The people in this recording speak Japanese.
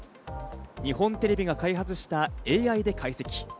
日本テレビが開発したＡＩで解析。